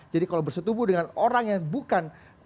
jadi kalau bersetubuh dengan orang yang bukan